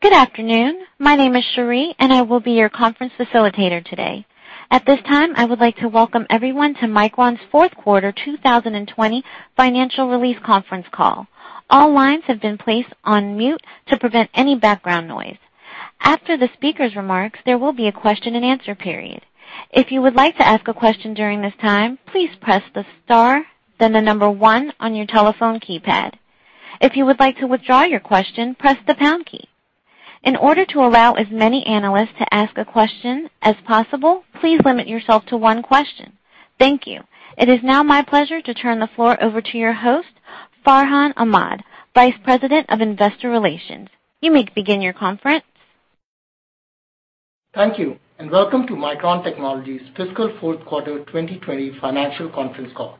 Good afternoon. My name is Sheree, and I will be your conference facilitator today. At this time, I would like to welcome everyone to Micron's fourth quarter 2020 financial release conference call. All lines have been placed on mute to prevent any background noise. After the speaker's remarks, there will be a question-and-answer period. If you would like to ask a question during this time, please press the star, then the number one on your telephone keypad. If you would like to withdraw your question, press the pound key. In order to allow as many analysts to ask a question as possible, please limit yourself to one question. Thank you. It is now my pleasure to turn the floor over to your host, Farhan Ahmad, Vice President of Investor Relations. You may begin your conference. Thank you, and welcome to Micron Technology's fiscal fourth quarter 2020 financial conference call.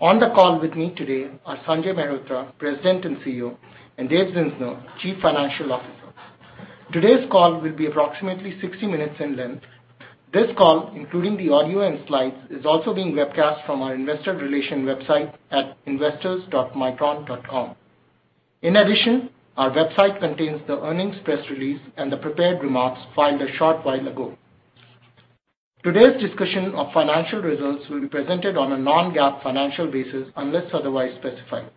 On the call with me today are Sanjay Mehrotra, President and CEO, and David Zinsner, Chief Financial Officer. Today's call will be approximately 60 minutes in length. This call, including the audio and slides, is also being webcast from our investor relations website at investors.micron.com. In addition, our website contains the earnings press release and the prepared remarks filed a short while ago. Today's discussion of financial results will be presented on a non-GAAP financial basis unless otherwise specified.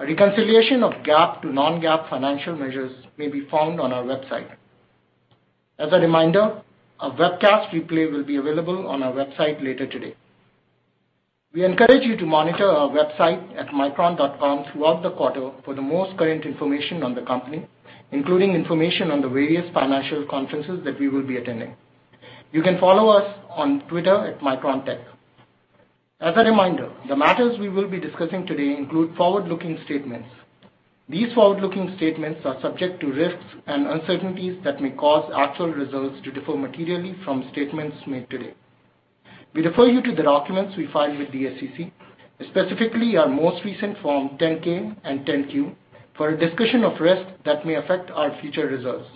A reconciliation of GAAP to non-GAAP financial measures may be found on our website. As a reminder, a webcast replay will be available on our website later today. We encourage you to monitor our website at micron.com throughout the quarter for the most current information on the company, including information on the various financial conferences that we will be attending. You can follow us on Twitter at MicronTech. As a reminder, the matters we will be discussing today include forward-looking statements. These forward-looking statements are subject to risks and uncertainties that may cause actual results to differ materially from statements made today. We refer you to the documents we file with the SEC, specifically our most recent Form 10-K and 10-Q, for a discussion of risks that may affect our future results.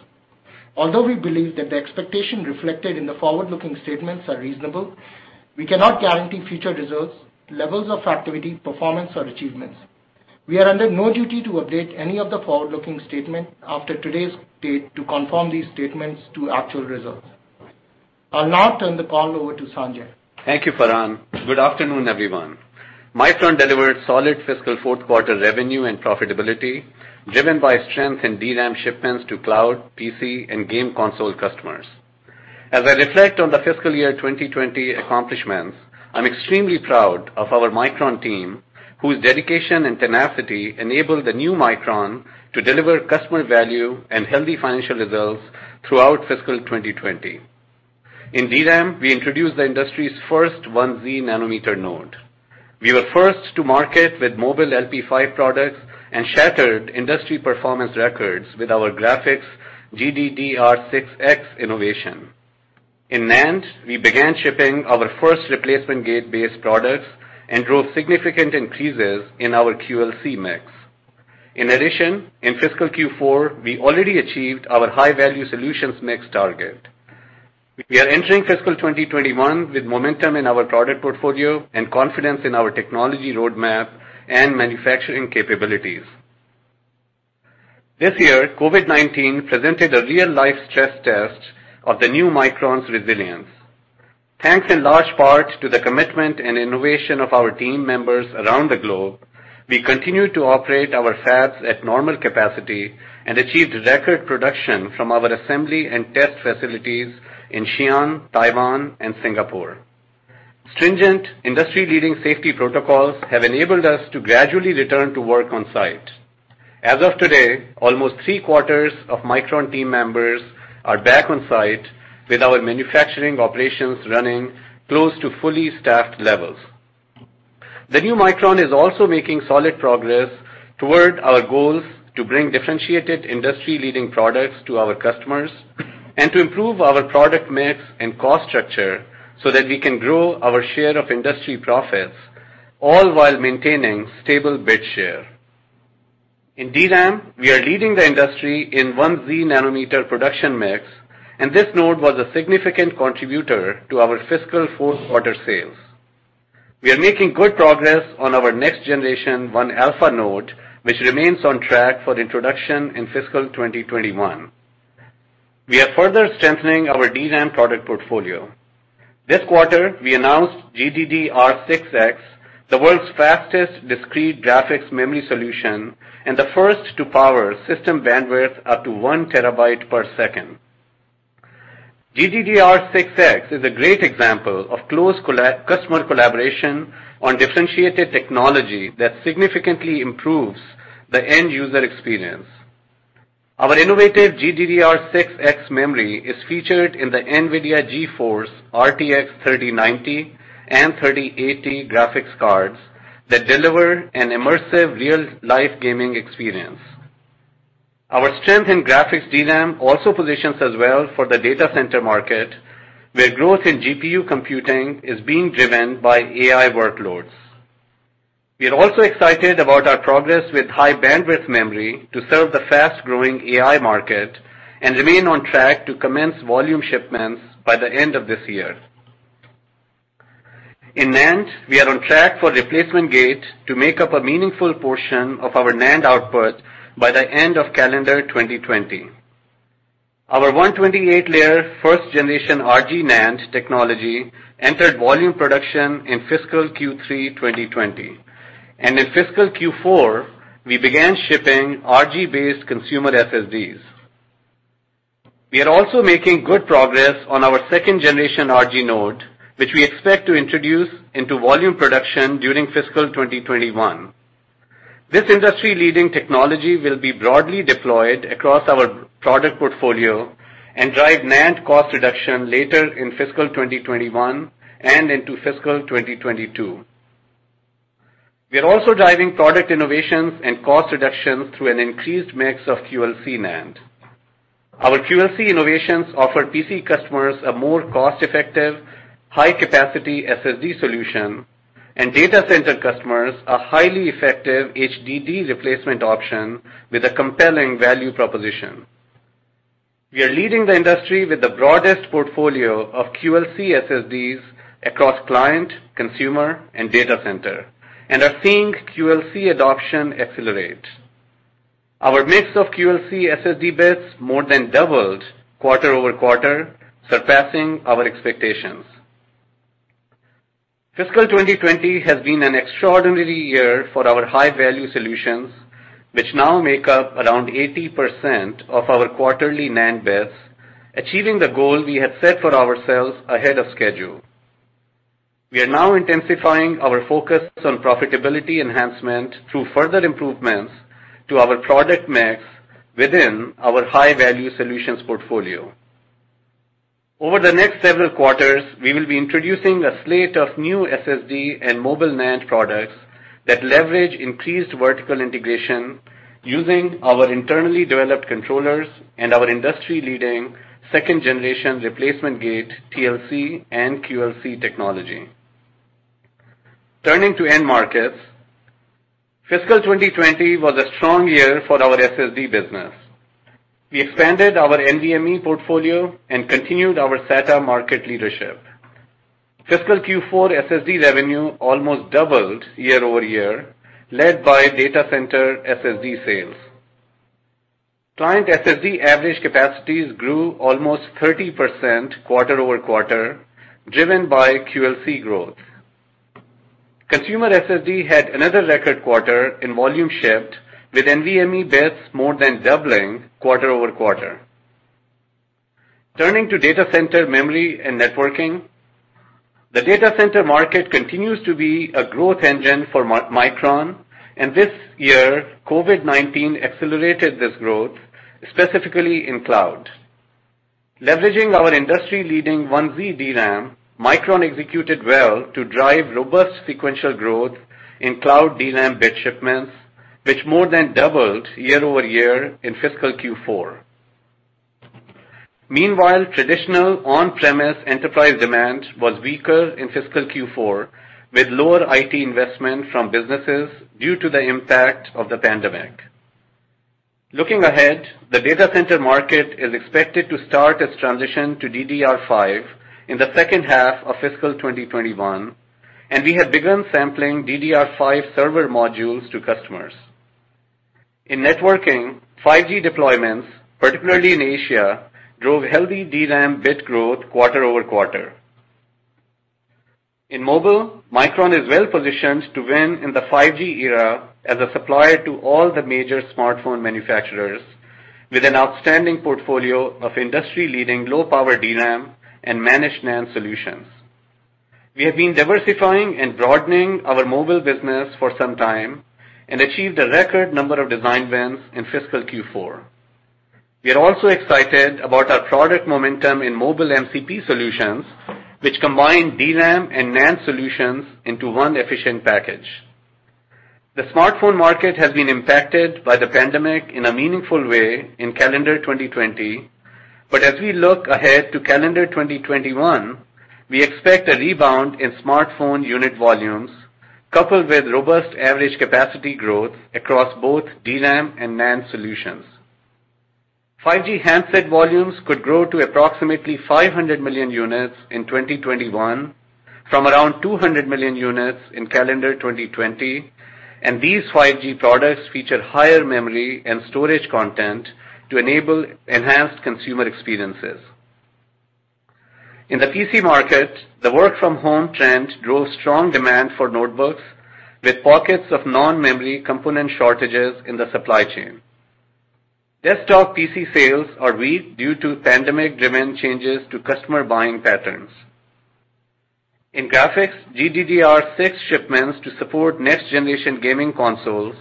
Although we believe that the expectations reflected in the forward-looking statements are reasonable, we cannot guarantee future results, levels of activity, performance, or achievements. We are under no duty to update any of the forward-looking statements after today's date to confirm these statements to actual results. I'll now turn the call over to Sanjay. Thank you, Farhan. Good afternoon, everyone. Micron delivered solid fiscal fourth quarter revenue and profitability, driven by strength in DRAM shipments to cloud, PC, and game console customers. As I reflect on the fiscal year 2020 accomplishments, I'm extremely proud of our Micron team, whose dedication and tenacity enabled the new Micron to deliver customer value and healthy financial results throughout fiscal 2020. In DRAM, we introduced the industry's first 1z nanometer node. We were first to market with mobile LPDDR5 products and shattered industry performance records with our graphics GDDR6X innovation. In NAND, we began shipping our first replacement gate-based products and drove significant increases in our QLC mix. In addition, in fiscal Q4, we already achieved our high-value solutions mix target. We are entering fiscal 2021 with momentum in our product portfolio and confidence in our technology roadmap and manufacturing capabilities. This year, COVID-19 presented a real-life stress test of the new Micron's resilience. Thanks in large part to the commitment and innovation of our team members around the globe, we continue to operate our fabs at normal capacity and achieved record production from our assembly and test facilities in Xi'an, Taiwan, and Singapore. Stringent industry-leading safety protocols have enabled us to gradually return to work on-site. As of today, almost three-quarters of Micron team members are back on site, with our manufacturing operations running close to fully staffed levels. The new Micron is also making solid progress toward our goals to bring differentiated industry-leading products to our customers and to improve our product mix and cost structure so that we can grow our share of industry profits, all while maintaining stable bit share. In DRAM, we are leading the industry in 1z nanometer production mix, and this node was a significant contributor to our fiscal fourth-quarter sales. We are making good progress on our next-generation 1-alpha node, which remains on track for introduction in fiscal 2021. We are further strengthening our DRAM product portfolio. This quarter, we announced GDDR6X, the world's fastest discrete graphics memory solution and the first to power system bandwidth up to one terabyte per second. GDDR6X is a great example of close customer collaboration on differentiated technology that significantly improves the end-user experience. Our innovative GDDR6X memory is featured in the NVIDIA GeForce RTX 3090 and RTX 3080 graphics cards that deliver an immersive real-life gaming experience. Our strength in graphics DRAM also positions us well for the data center market, where growth in GPU computing is being driven by AI workloads. We are also excited about our progress with High-Bandwidth Memory to serve the fast-growing AI market and remain on track to commence volume shipments by the end of this year. In NAND, we are on track for replacement gate to make up a meaningful portion of our NAND output by the end of calendar 2020. Our 128-layer first-generation RG NAND technology entered volume production in fiscal Q3 2020. In fiscal Q4, we began shipping RG-based consumer SSDs. We are also making good progress on our second-generation RG node, which we expect to introduce into volume production during fiscal 2021. This industry-leading technology will be broadly deployed across our product portfolio and drive NAND cost reduction later in fiscal 2021 and into fiscal 2022. We are also driving product innovations and cost reductions through an increased mix of QLC NAND. Our QLC innovations offer PC customers a more cost-effective, high-capacity SSD solution and data center customers a highly effective HDD replacement option with a compelling value proposition. We are leading the industry with the broadest portfolio of QLC SSDs across client, consumer, and data center, and are seeing QLC adoption accelerate. Our mix of QLC SSD bits more than doubled quarter-over-quarter, surpassing our expectations. Fiscal 2020 has been an extraordinary year for our high-value solutions, which now make up around 80% of our quarterly NAND bits, achieving the goal we had set for ourselves ahead of schedule. We are now intensifying our focus on profitability enhancement through further improvements to our product mix within our high-value solutions portfolio. Over the next several quarters, we will be introducing a slate of new SSD and mobile NAND products that leverage increased vertical integration using our internally developed controllers and our industry-leading second-generation replacement gate TLC and QLC technology. Turning to end markets. Fiscal 2020 was a strong year for our SSD business. We expanded our NVMe portfolio and continued our SATA market leadership. Fiscal Q4 SSD revenue almost doubled year-over-year, led by data center SSD sales. Client SSD average capacities grew almost 30% quarter-over-quarter, driven by QLC growth. Consumer SSD had another record quarter in volume shipped, with NVMe bits more than doubling quarter-over-quarter. Turning to data center memory and networking. The data center market continues to be a growth engine for Micron, this year, COVID-19 accelerated this growth, specifically in cloud. Leveraging our industry-leading 1z DRAM, Micron executed well to drive robust sequential growth in cloud DRAM bit shipments, which more than doubled year-over-year in fiscal Q4. Meanwhile, traditional on-premise enterprise demand was weaker in fiscal Q4, with lower IT investment from businesses due to the impact of the pandemic. Looking ahead, the data center market is expected to start its transition to DDR5 in the second half of fiscal 2021, and we have begun sampling DDR5 server modules to customers. In networking, 5G deployments, particularly in Asia, drove healthy DRAM bit growth quarter-over-quarter. In mobile, Micron is well-positioned to win in the 5G era as a supplier to all the major smartphone manufacturers with an outstanding portfolio of industry-leading low-power DRAM and managed NAND solutions. We have been diversifying and broadening our mobile business for some time and achieved a record number of design wins in fiscal Q4. We are also excited about our product momentum in mobile MCP solutions, which combine DRAM and NAND solutions into one efficient package. The smartphone market has been impacted by the pandemic in a meaningful way in calendar 2020. As we look ahead to calendar 2021, we expect a rebound in smartphone unit volumes coupled with robust average capacity growth across both DRAM and NAND solutions. 5G handset volumes could grow to approximately 500 million units in 2021 from around 200 million units in calendar 2020. These 5G products feature higher memory and storage content to enable enhanced consumer experiences. In the PC market, the work-from-home trend drove strong demand for notebooks with pockets of non-memory component shortages in the supply chain. Desktop PC sales are weak due to pandemic-driven changes to customer buying patterns. In graphics, GDDR6 shipments to support next-generation gaming consoles,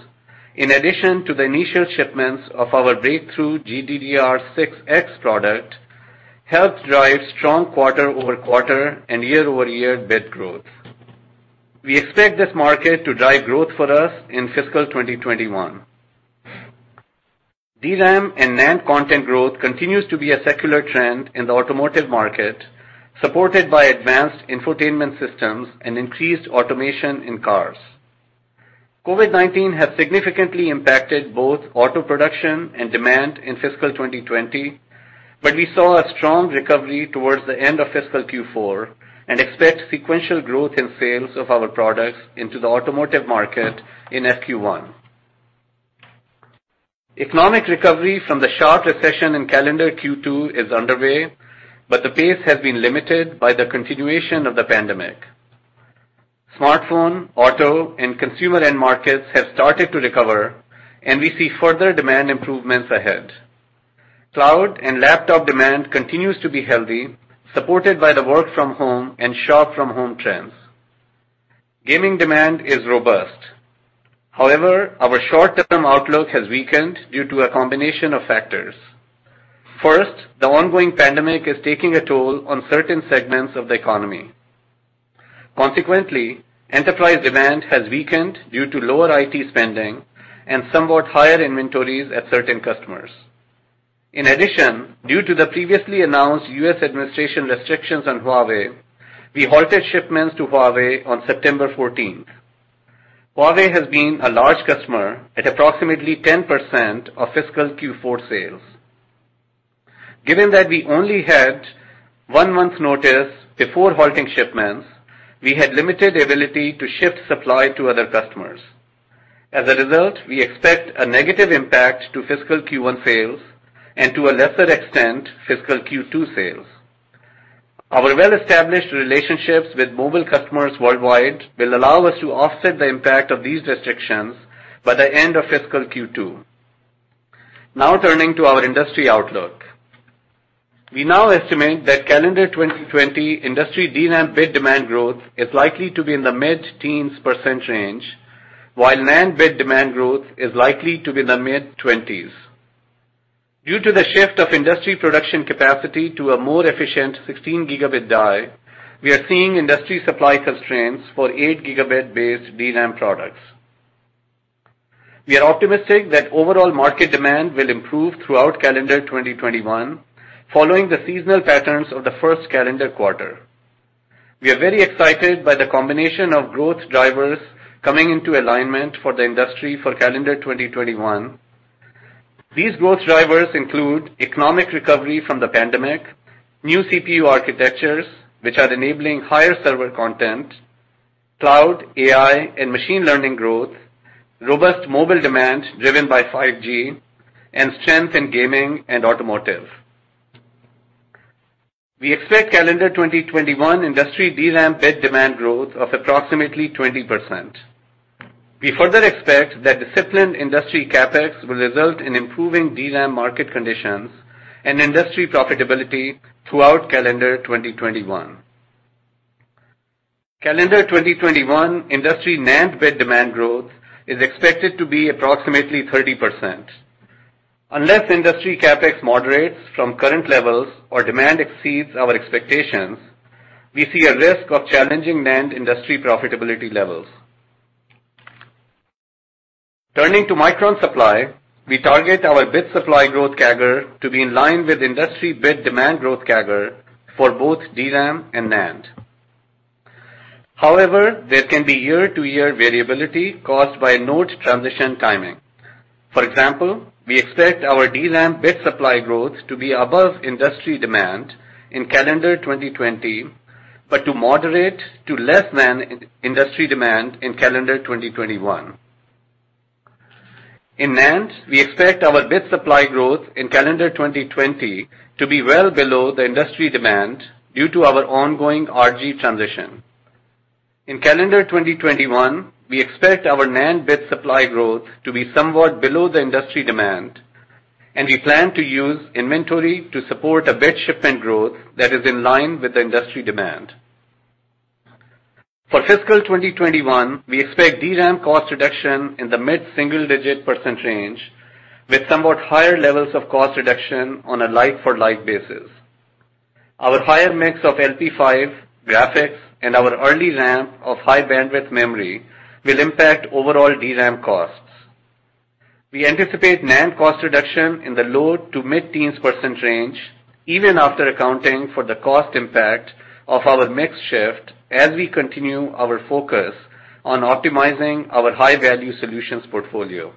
in addition to the initial shipments of our breakthrough GDDR6X product, helped drive strong quarter-over-quarter and year-over-year bit growth. We expect this market to drive growth for us in fiscal 2021. DRAM and NAND content growth continues to be a secular trend in the automotive market, supported by advanced infotainment systems and increased automation in cars. COVID-19 has significantly impacted both auto production and demand in fiscal 2020, but we saw a strong recovery towards the end of fiscal Q4, and expect sequential growth in sales of our products into the automotive market in FY 2021. Economic recovery from the sharp recession in calendar Q2 is underway, but the pace has been limited by the continuation of the pandemic. Smartphone, auto, and consumer end markets have started to recover. We see further demand improvements ahead. Cloud and laptop demand continues to be healthy, supported by the work-from-home and shop-from-home trends. Gaming demand is robust. However, our short-term outlook has weakened due to a combination of factors. First, the ongoing pandemic is taking a toll on certain segments of the economy. Consequently, enterprise demand has weakened due to lower IT spending and somewhat higher inventories at certain customers. In addition, due to the previously announced U.S. administration restrictions on Huawei, we halted shipments to Huawei on September 14. Huawei has been a large customer at approximately 10% of fiscal Q4 sales. Given that we only had one month's notice before halting shipments, we had limited ability to shift supply to other customers. As a result, we expect a negative impact to fiscal Q1 sales and, to a lesser extent, fiscal Q2 sales. Our well-established relationships with mobile customers worldwide will allow us to offset the impact of these restrictions by the end of fiscal Q2. Now, turning to our industry outlook. We now estimate that calendar 2020 industry DRAM bit demand growth is likely to be in the mid-teens percent range, while NAND bit demand growth is likely to be in the mid-20s. Due to the shift of industry production capacity to a more efficient 16 Gb die, we are seeing industry supply constraints for 8 Gb based DRAM products. We are optimistic that overall market demand will improve throughout calendar 2021, following the seasonal patterns of the first calendar quarter. We are very excited by the combination of growth drivers coming into alignment for the industry for calendar 2021. These growth drivers include economic recovery from the pandemic, new CPU architectures, which are enabling higher server content, cloud, AI, and machine learning growth, robust mobile demand driven by 5G, and strength in gaming and automotive. We expect calendar 2021 industry DRAM bit demand growth of approximately 20%. We further expect that disciplined industry CapEx will result in improving DRAM market conditions and industry profitability throughout calendar 2021. Calendar 2021 industry NAND bit demand growth is expected to be approximately 30%. Unless industry CapEx moderates from current levels or demand exceeds our expectations, we see a risk of challenging NAND industry profitability levels. Turning to Micron supply, we target our bit supply growth CAGR to be in line with industry bit demand growth CAGR for both DRAM and NAND. However, there can be year-to-year variability caused by node transition timing. For example, we expect our DRAM bit supply growth to be above industry demand in calendar 2020, but to moderate to less than industry demand in calendar 2021. In NAND, we expect our bit supply growth in calendar 2020 to be well below the industry demand due to our ongoing RG transition. In calendar 2021, we expect our NAND bit supply growth to be somewhat below the industry demand, and we plan to use inventory to support a bit shipment growth that is in line with the industry demand. For fiscal 2021, we expect DRAM cost reduction in the mid-single-digit percent range with somewhat higher levels of cost reduction on a like-for-like basis. Our higher mix of LP5, graphics, and our early ramp of High Bandwidth Memory will impact overall DRAM costs. We anticipate NAND cost reduction in the low to mid-teens percent range, even after accounting for the cost impact of our mix shift as we continue our focus on optimizing our high-value solutions portfolio.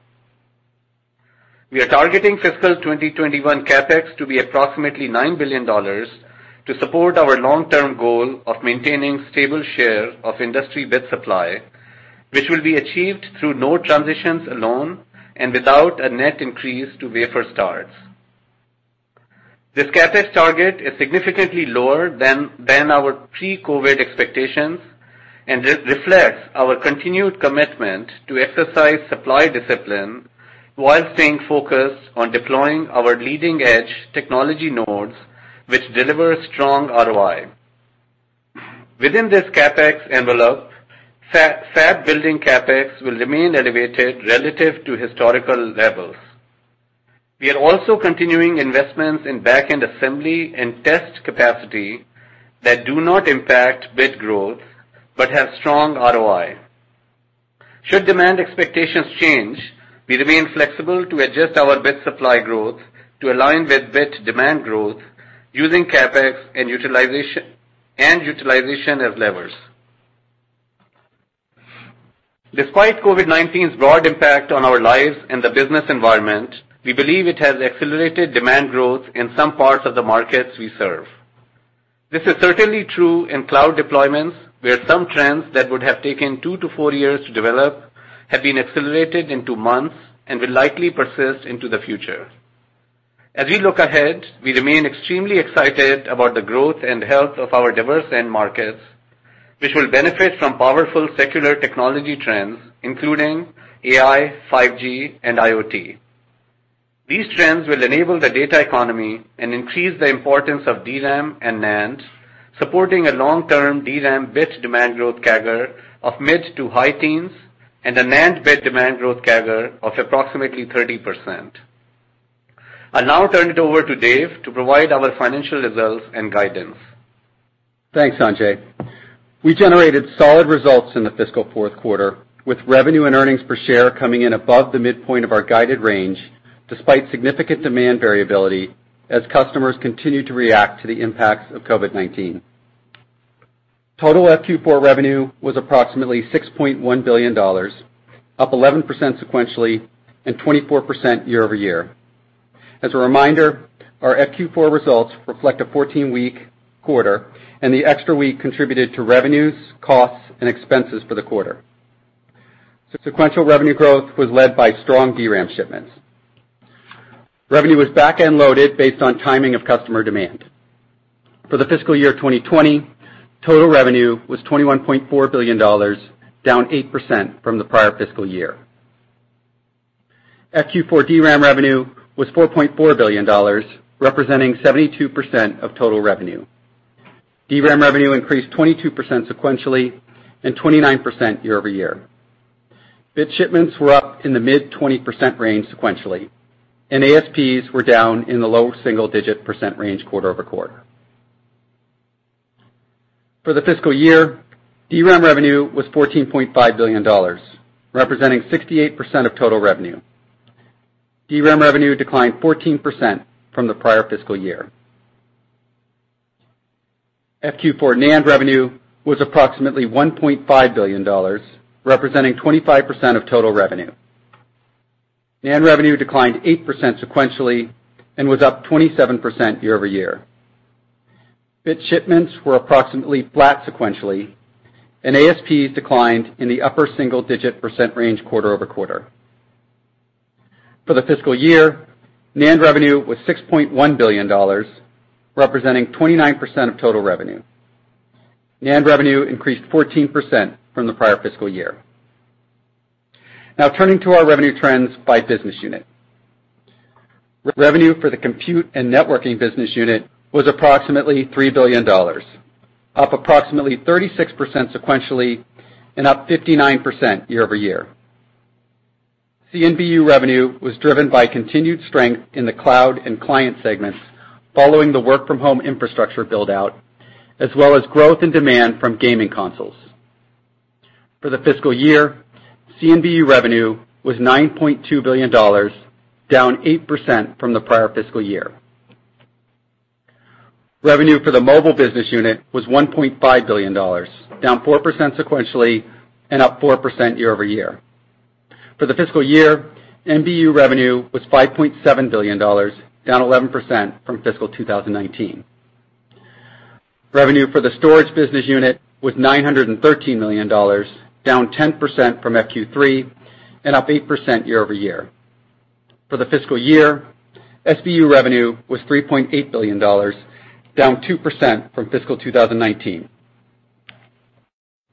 We are targeting fiscal 2021 CapEx to be approximately $9 billion to support our long-term goal of maintaining stable share of industry bit supply, which will be achieved through node transitions alone and without a net increase to wafer starts. This CapEx target is significantly lower than our pre-COVID expectations and reflects our continued commitment to exercise supply discipline while staying focused on deploying our leading-edge technology nodes, which deliver strong ROI. Within this CapEx envelope, fab building CapEx will remain elevated relative to historical levels. We are also continuing investments in back-end assembly and test capacity that do not impact bit growth but have strong ROI. Should demand expectations change, we remain flexible to adjust our bit supply growth to align with bit demand growth using CapEx and utilization as levers. Despite COVID-19's broad impact on our lives and the business environment, we believe it has accelerated demand growth in some parts of the markets we serve. This is certainly true in cloud deployments, where some trends that would have taken two to four years to develop have been accelerated into months and will likely persist into the future. As we look ahead, we remain extremely excited about the growth and health of our diverse end markets, which will benefit from powerful secular technology trends, including AI, 5G, and IoT. These trends will enable the data economy and increase the importance of DRAM and NAND, supporting a long-term DRAM bit demand growth CAGR of mid to high teens and a NAND bit demand growth CAGR of approximately 30%. I'll now turn it over to David to provide our financial results and guidance. Thanks, Sanjay. We generated solid results in the fiscal fourth quarter, with revenue and earnings per share coming in above the midpoint of our guided range, despite significant demand variability as customers continue to react to the impacts of COVID-19. Total FQ4 revenue was approximately $6.1 billion, up 11% sequentially and 24% year-over-year. As a reminder, our FQ4 results reflect a 14-week quarter, and the extra week contributed to revenues, costs, and expenses for the quarter. Sequential revenue growth was led by strong DRAM shipments. Revenue was back-end loaded based on timing of customer demand. For the fiscal year 2020, total revenue was $21.4 billion, down 8% from the prior fiscal year. FQ4 DRAM revenue was $4.4 billion, representing 72% of total revenue. DRAM revenue increased 22% sequentially and 29% year-over-year. Bit shipments were up in the mid 20% range sequentially, and ASPs were down in the low single-digit percent range quarter-over-quarter. For the fiscal year, DRAM revenue was $14.5 billion, representing 68% of total revenue. DRAM revenue declined 14% from the prior fiscal year. FQ4 NAND revenue was approximately $1.5 billion, representing 25% of total revenue. NAND revenue declined 8% sequentially and was up 27% year-over-year. Bit shipments were approximately flat sequentially, and ASPs declined in the upper single-digit percent range quarter-over-quarter. For the fiscal year, NAND revenue was $6.1 billion, representing 29% of total revenue. NAND revenue increased 14% from the prior fiscal year. Turning to our revenue trends by business unit. Revenue for the compute and networking business unit was approximately $3 billion, up approximately 36% sequentially and up 59% year-over-year. CNBU revenue was driven by continued strength in the cloud and client segments following the work-from-home infrastructure build-out, as well as growth and demand from gaming consoles. For the fiscal year, CNBU revenue was $9.2 billion, down 8% from the prior fiscal year. Revenue for the mobile business unit was $1.5 billion, down 4% sequentially and up 4% year-over-year. For the fiscal year, MBU revenue was $5.7 billion, down 11% from fiscal 2019. Revenue for the storage business unit was $913 million, down 10% from FQ3 and up 8% year-over-year. For the fiscal year, SBU revenue was $3.8 billion, down 2% from fiscal 2019.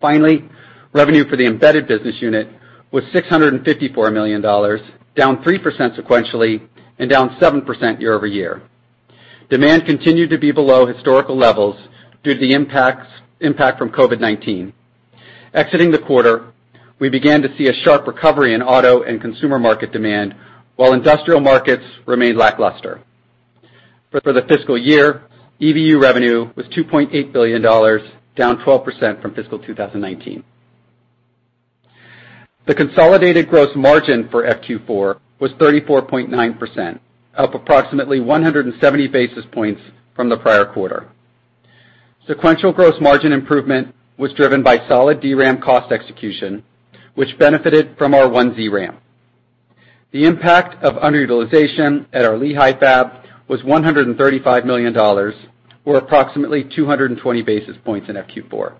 Finally, revenue for the embedded business unit was $654 million, down 3% sequentially and down 7% year-over-year. Demand continued to be below historical levels due to the impact from COVID-19. Exiting the quarter, we began to see a sharp recovery in auto and consumer market demand, while industrial markets remained lackluster. For the fiscal year, EBU revenue was $2.8 billion, down 12% from fiscal 2019. The consolidated gross margin for FQ4 was 34.9%, up approximately 170 basis points from the prior quarter. Sequential gross margin improvement was driven by solid DRAM cost execution, which benefited from our 1z DRAM. The impact of underutilization at our Lehi fab was $135 million, or approximately 220 basis points in FQ4.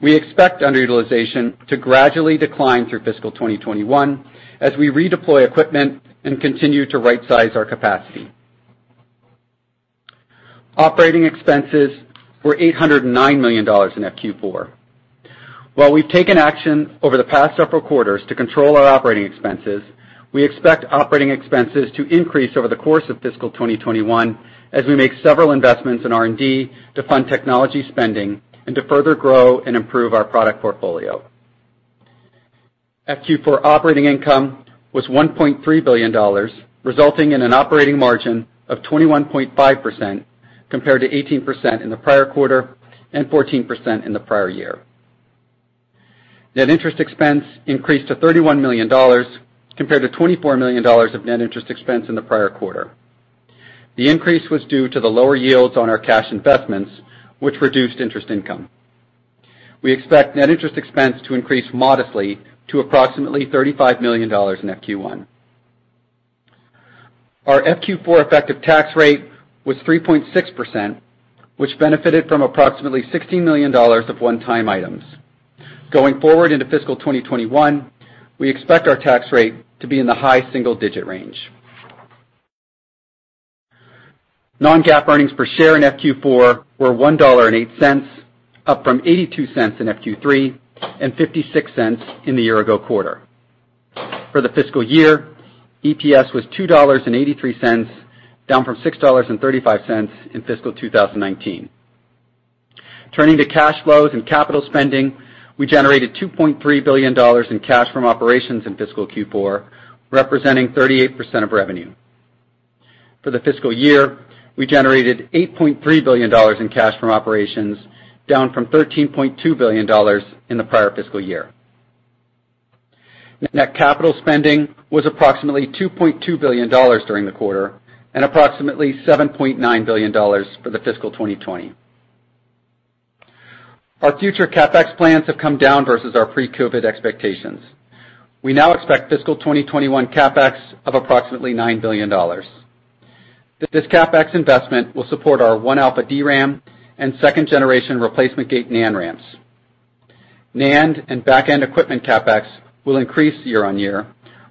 We expect underutilization to gradually decline through fiscal 2021 as we redeploy equipment and continue to rightsize our capacity. Operating expenses were $809 million in FQ4. While we've taken action over the past several quarters to control our operating expenses, we expect operating expenses to increase over the course of fiscal 2021 as we make several investments in R&D to fund technology spending and to further grow and improve our product portfolio. FQ4 operating income was $1.3 billion, resulting in an operating margin of 21.5% compared to 18% in the prior quarter and 14% in the prior year. Net interest expense increased to $31 million compared to $24 million of net interest expense in the prior quarter. The increase was due to the lower yields on our cash investments, which reduced interest income. We expect net interest expense to increase modestly to approximately $35 million in FQ1. Our FQ4 effective tax rate was 3.6%, which benefited from approximately $16 million of one-time items. Going forward into fiscal 2021, we expect our tax rate to be in the high single-digit range. Non-GAAP earnings per share in FQ4 were $1.08, up from $0.82 in FQ3 and $0.56 in the year-ago quarter. For the fiscal year, EPS was $2.83, down from $6.35 in fiscal 2019. Turning to cash flows and capital spending, we generated $2.3 billion in cash from operations in fiscal Q4, representing 38% of revenue. For the fiscal year, we generated $8.3 billion in cash from operations, down from $13.2 billion in the prior fiscal year. Net capital spending was approximately $2.2 billion during the quarter, and approximately $7.9 billion for the fiscal 2020. Our future CapEx plans have come down versus our pre-COVID expectations. We now expect fiscal 2021 CapEx of approximately $9 billion. This CapEx investment will support our 1-alpha DRAM and second-generation replacement gate NAND ramps. NAND and back-end equipment CapEx will increase year-on-year,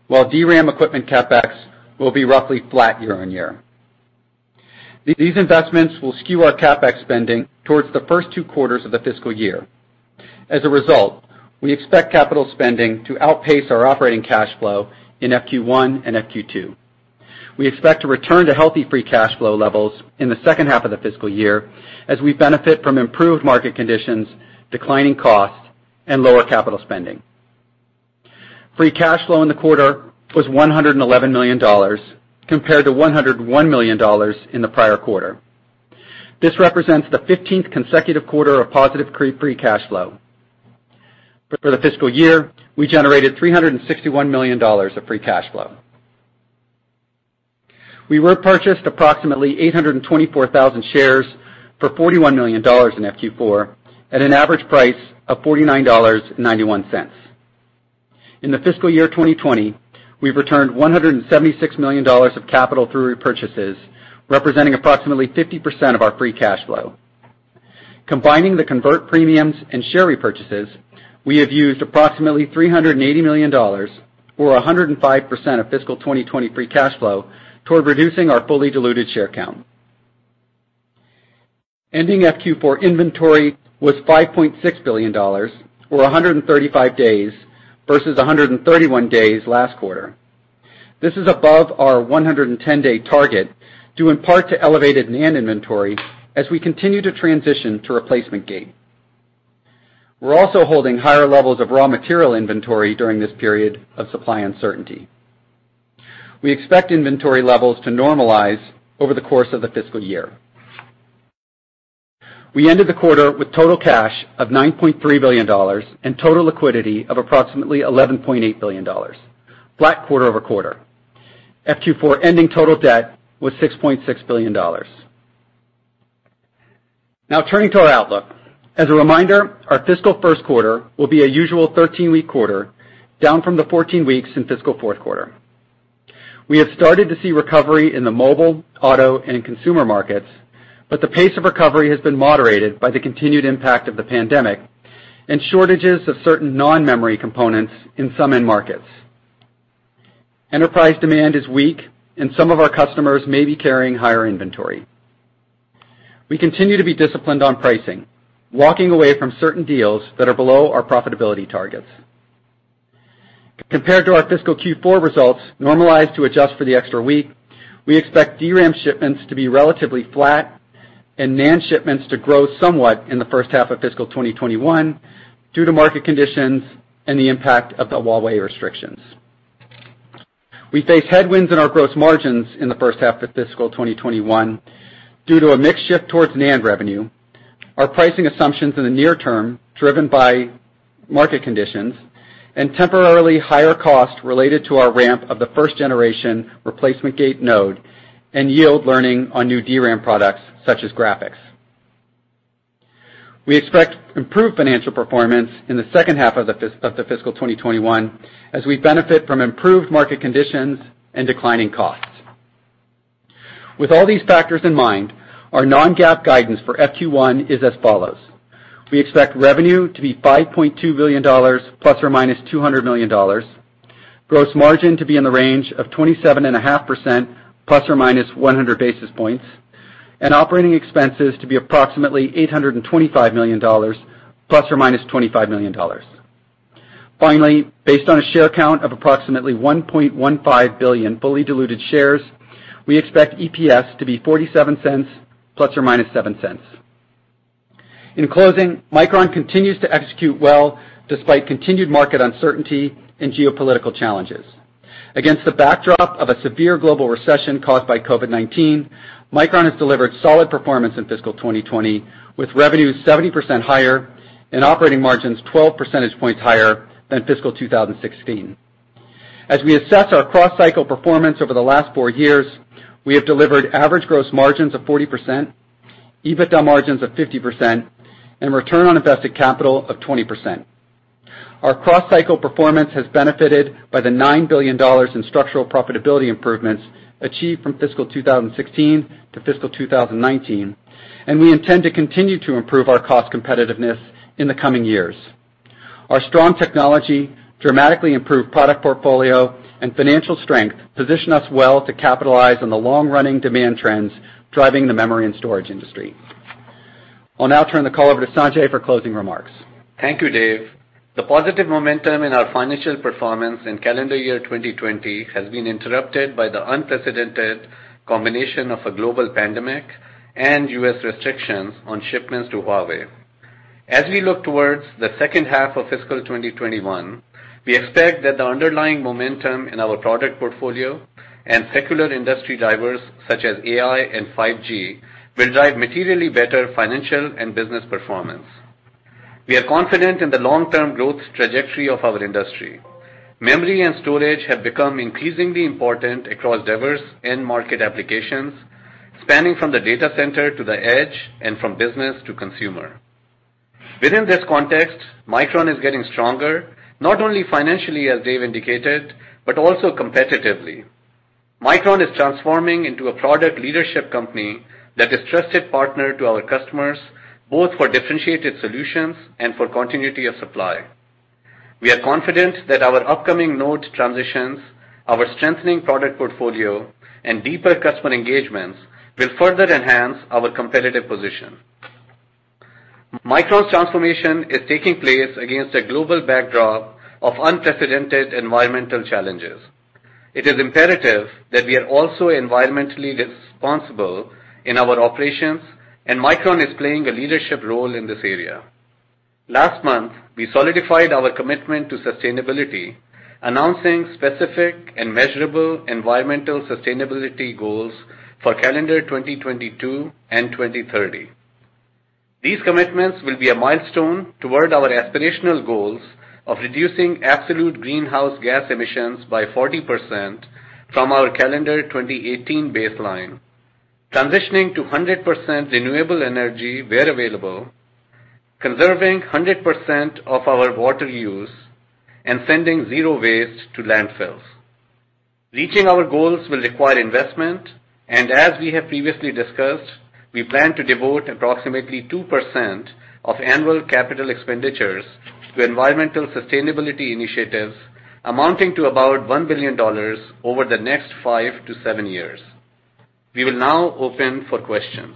while DRAM equipment CapEx will be roughly flat year-on-year. These investments will skew our CapEx spending towards the first two quarters of the fiscal year. As a result, we expect capital spending to outpace our operating cash flow in FQ1 and FQ2. We expect to return to healthy free cash flow levels in the second half of the fiscal year as we benefit from improved market conditions, declining costs, and lower capital spending. Free cash flow in the quarter was $111 million, compared to $101 million in the prior quarter. This represents the 15th consecutive quarter of positive free cash flow. For the fiscal year, we generated $361 million of free cash flow. We repurchased approximately 824,000 shares for $41 million in FQ4 at an average price of $49.91. In the fiscal year 2020, we've returned $176 million of capital through repurchases, representing approximately 50% of our free cash flow. Combining the convert premiums and share repurchases, we have used approximately $380 million or 105% of fiscal 2020 free cash flow toward reducing our fully diluted share count. Ending FQ4 inventory was $5.6 billion, or 135 days versus 131 days last quarter. This is above our 110-day target, due in part to elevated NAND inventory as we continue to transition to replacement gate. We're also holding higher levels of raw material inventory during this period of supply uncertainty. We expect inventory levels to normalize over the course of the fiscal year. We ended the quarter with total cash of $9.3 billion and total liquidity of approximately $11.8 billion, flat quarter-over-quarter. FQ4 ending total debt was $6.6 billion. Turning to our outlook. As a reminder, our fiscal first quarter will be a usual 13-week quarter, down from the 14 weeks in fiscal fourth quarter. We have started to see recovery in the mobile, auto, and consumer markets, but the pace of recovery has been moderated by the continued impact of the pandemic and shortages of certain non-memory components in some end markets. Enterprise demand is weak, and some of our customers may be carrying higher inventory. We continue to be disciplined on pricing, walking away from certain deals that are below our profitability targets. Compared to our fiscal Q4 results normalized to adjust for the extra week, we expect DRAM shipments to be relatively flat and NAND shipments to grow somewhat in the first half of fiscal 2021 due to market conditions and the impact of the Huawei restrictions. We face headwinds in our gross margins in the first half of fiscal 2021 due to a mix shift towards NAND revenue, our pricing assumptions in the near term driven by market conditions, and temporarily higher costs related to our ramp of the first-generation replacement gate node and yield learning on new DRAM products such as graphics. We expect improved financial performance in the second half of the fiscal 2021 as we benefit from improved market conditions and declining costs. With all these factors in mind, our non-GAAP guidance for FQ1 is as follows. We expect revenue to be $5.2 billion ±$200 million, gross margin to be in the range of 27.5% ±100 basis points, and operating expenses to be approximately $825 million ±$25 million. Finally, based on a share count of approximately 1.15 billion fully diluted shares, we expect EPS to be $0.47 ±$0.07. In closing, Micron continues to execute well despite continued market uncertainty and geopolitical challenges. Against the backdrop of a severe global recession caused by COVID-19, Micron has delivered solid performance in fiscal 2020, with revenues 70% higher and operating margins 12 percentage points higher than fiscal 2016. As we assess our cross-cycle performance over the last four years, we have delivered average gross margins of 40%, EBITDA margins of 50%, and return on invested capital of 20%. Our cross-cycle performance has benefited by the $9 billion in structural profitability improvements achieved from fiscal 2016 to fiscal 2019, and we intend to continue to improve our cost competitiveness in the coming years. Our strong technology, dramatically improved product portfolio, and financial strength position us well to capitalize on the long-running demand trends driving the memory and storage industry. I will now turn the call over to Sanjay for closing remarks. Thank you, David. The positive momentum in our financial performance in calendar year 2020 has been interrupted by the unprecedented combination of a global pandemic and U.S. restrictions on shipments to Huawei. As we look towards the second half of fiscal 2021, we expect that the underlying momentum in our product portfolio and secular industry drivers such as AI and 5G will drive materially better financial and business performance. We are confident in the long-term growth trajectory of our industry. Memory and storage have become increasingly important across diverse end-market applications, spanning from the data center to the edge and from business to consumer. Within this context, Micron is getting stronger, not only financially, as David indicated, but also competitively. Micron is transforming into a product leadership company that is a trusted partner to our customers, both for differentiated solutions and for continuity of supply. We are confident that our upcoming node transitions, our strengthening product portfolio, and deeper customer engagements will further enhance our competitive position. Micron's transformation is taking place against a global backdrop of unprecedented environmental challenges. It is imperative that we are also environmentally responsible in our operations, and Micron is playing a leadership role in this area. Last month, we solidified our commitment to sustainability, announcing specific and measurable environmental sustainability goals for calendar 2022 and 2030. These commitments will be a milestone toward our aspirational goals of reducing absolute greenhouse gas emissions by 40% from our calendar 2018 baseline, transitioning to 100% renewable energy where available, conserving 100% of our water use, and sending zero waste to landfills. As we have previously discussed, we plan to devote approximately 2% of annual capital expenditures to environmental sustainability initiatives, amounting to about $1 billion over the next five to seven years. We will now open for questions.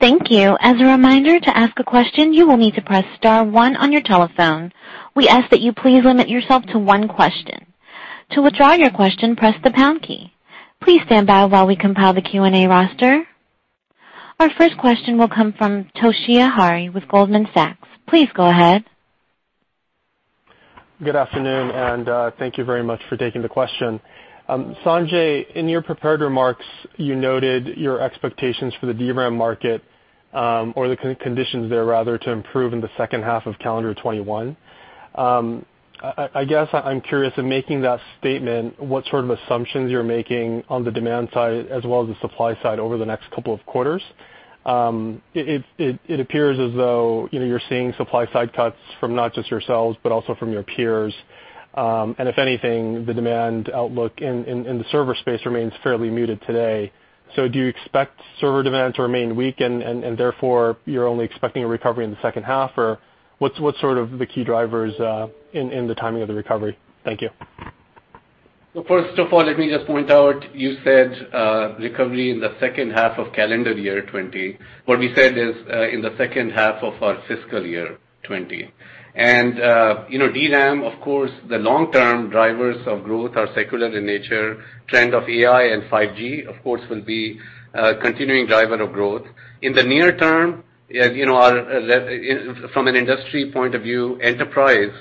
Thank you. As a reminder, to ask a question, you will need to press star one on your telephone. We ask that you please limit yourself to one question. To withdraw your question, press the pound key. Please stand by while we compile the Q&A roster. Our first question will come from Toshiya Hari with Goldman Sachs. Please go ahead. Good afternoon, thank you very much for taking the question. Sanjay, in your prepared remarks, you noted your expectations for the DRAM market, or the conditions there, rather, to improve in the second half of calendar 2021. I guess I'm curious, in making that statement, what sort of assumptions you're making on the demand side as well as the supply side over the next couple of quarters. It appears as though, you know, you're seeing supply side cuts from not just yourselves, but also from your peers. If anything, the demand outlook in the server space remains fairly muted today. Do you expect server demand to remain weak and therefore you're only expecting a recovery in the second half? What's sort of the key drivers in the timing of the recovery? Thank you. First of all, let me just point out, you said recovery in the second half of calendar year 2020. What we said is in the second half of our fiscal year 2020. You know, DRAM, of course, the long-term drivers of growth are secular in nature. Trend of AI and 5G, of course, will be a continuing driver of growth. In the near term, as you know, from an industry point of view, enterprise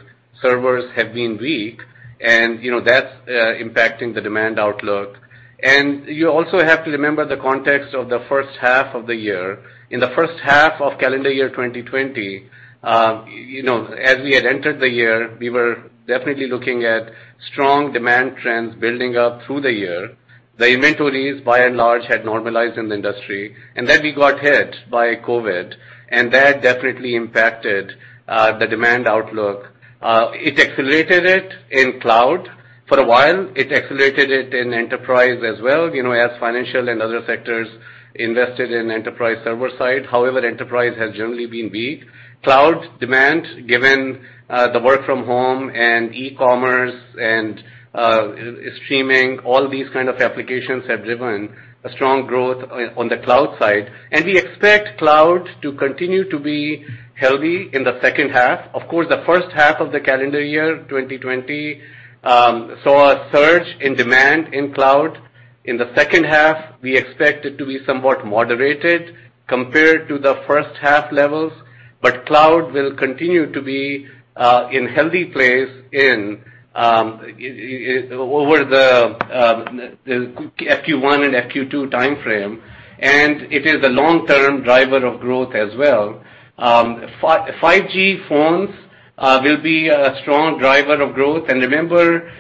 servers have been weak and, you know, that's impacting the demand outlook. You also have to remember the context of the first half of the year. In the first half of calendar year 2020, you know, as we had entered the year, we were definitely looking at strong demand trends building up through the year. The inventories, by and large, had normalized in the industry. Then we got hit by COVID. That definitely impacted the demand outlook. It accelerated it in cloud for a while. It accelerated it in enterprise as well, you know, as financial and other sectors invested in enterprise server-side. Enterprise has generally been weak. Cloud demand, given the work from home and e-commerce and streaming, all these kind of applications have driven a strong growth on the cloud side, and we expect cloud to continue to be healthy in the second half. Of course, the first half of the calendar year 2020 saw a surge in demand in cloud. In the second half, we expect it to be somewhat moderated compared to the first half levels. Cloud will continue to be in healthy place over the FQ1 and FQ2 timeframe, and it is a long-term driver of growth as well. 5G phones will be a strong driver of growth. Remember,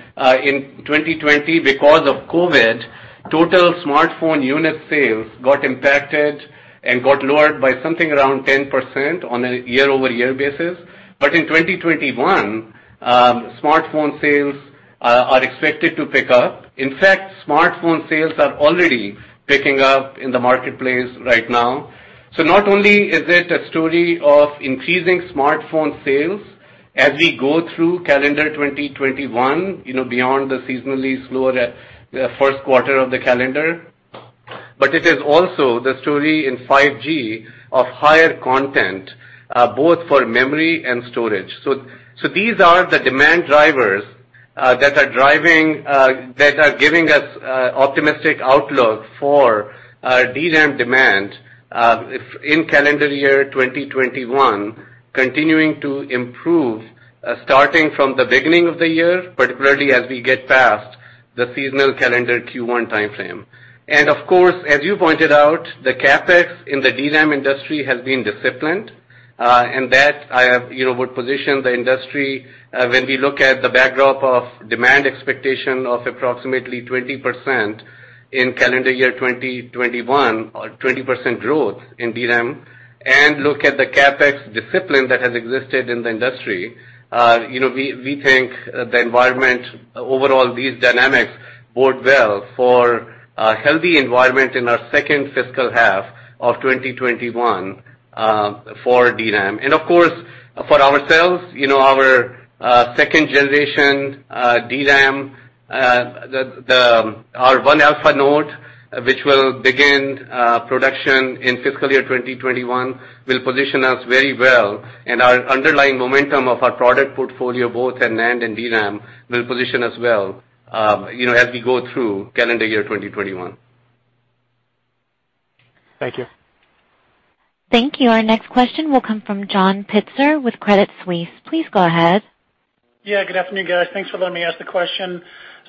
in 2020, because of COVID-19, total smartphone unit sales got impacted and got lowered by something around 10% on a year-over-year basis. In 2021, smartphone sales are expected to pick up. In fact, smartphone sales are already picking up in the marketplace right now. Not only is it a story of increasing smartphone sales as we go through calendar 2021, beyond the seasonally slower first quarter of the calendar, but it is also the story in 5G of higher content, both for memory and storage. These are the demand drivers that are giving us optimistic outlook for DRAM demand in calendar year 2021, continuing to improve, starting from the beginning of the year, particularly as we get past the seasonal calendar Q1 timeframe. Of course, as you pointed out, the CapEx in the DRAM industry has been disciplined, and that would position the industry, when we look at the backdrop of demand expectation of approximately 20% in calendar year 2021, or 20% growth in DRAM, and look at the CapEx discipline that has existed in the industry, we think the environment, overall, these dynamics bode well for a healthy environment in our second fiscal half of 2021 for DRAM. Of course, for ourselves, our second-generation DRAM, our 1-alpha node, which will begin production in fiscal year 2021, will position us very well. Our underlying momentum of our product portfolio, both in NAND and DRAM, will position us well as we go through calendar year 2021. Thank you. Thank you. Our next question will come from John Pitzer with Credit Suisse. Please go ahead. Yeah, good afternoon, guys. Thanks for letting me ask the question.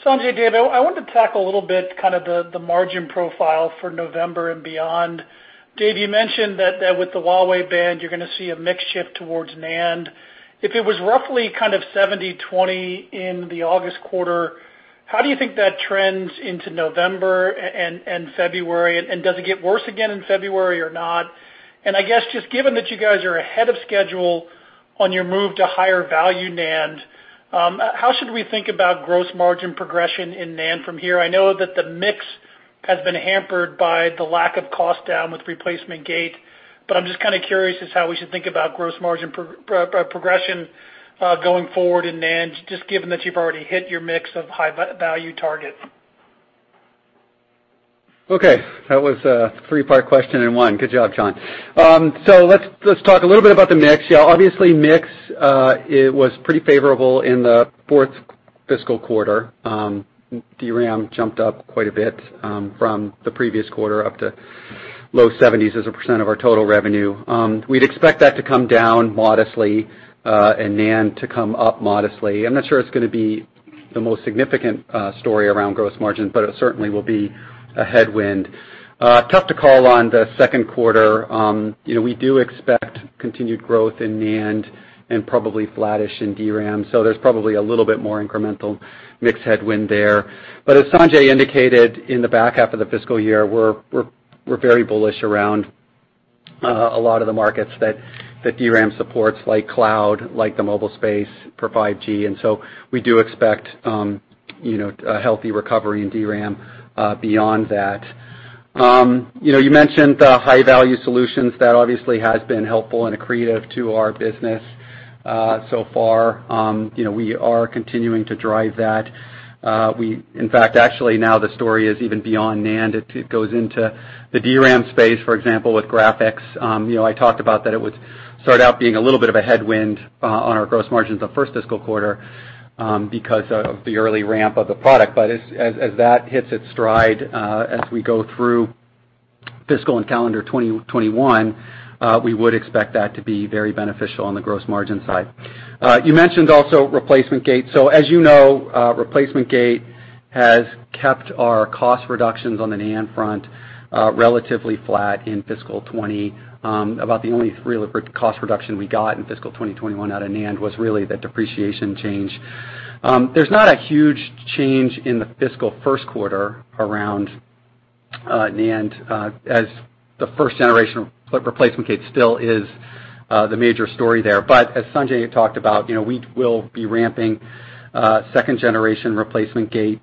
Sanjay, David, I wanted to tackle a little bit the margin profile for November and beyond. David, you mentioned that with the Huawei ban, you're going to see a mix shift towards NAND. If it was roughly 70/20 in the August quarter, how do you think that trends into November and February? Does it get worse again in February or not? I guess, just given that you guys are ahead of schedule on your move to higher value NAND, how should we think about gross margin progression in NAND from here? I know that the mix has been hampered by the lack of cost-down with the replacement gate. I'm just curious as to how we should think about gross margin progression going forward in NAND, just given that you've already hit your mix of high-value target. Okay. That was a three-part question in one. Good job, John. Let's talk a little bit about the mix. Yeah, obviously, mix, it was pretty favorable in the fourth fiscal quarter. DRAM jumped up quite a bit from the previous quarter, up to low 70s as a percent of our total revenue. We'd expect that to come down modestly, and NAND to come up modestly. I'm not sure it's going to be the most significant story around gross margins, but it certainly will be a headwind. Tough to call on the second quarter. We do expect continued growth in NAND, and probably flattish in DRAM. There's probably a little bit more incremnental mix headwind there. As Sanjay indicated, in the back half of the fiscal year, we're very bullish around a lot of the markets that DRAM supports, like cloud, like the mobile space for 5G. We do expect a healthy recovery in DRAM beyond that. You mentioned the high-value solutions. That obviously has been helpful and accretive to our business so far. We are continuing to drive that. In fact, actually, now the story is even beyond NAND. It goes into the DRAM space, for example, with graphics. I talked about that it would start out being a little bit of a headwind on our gross margins the first fiscal quarter because of the early ramp of the product. As that hits its stride as we go through fiscal and calendar 2021, we would expect that to be very beneficial on the gross margin side. You mentioned also replacement gate. As you know, replacement gate has kept our cost reductions on the NAND front relatively flat in fiscal 2020. About the only real cost reduction we got in fiscal 2021 out of NAND was really the depreciation change. There's not a huge change in the fiscal first quarter around NAND, as the first-generation replacement gate still is the major story there. As Sanjay had talked about, we will be ramping second generation replacement gate